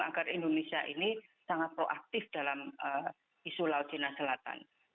agar indonesia ini sangat proaktif dalam isu laut cina selatan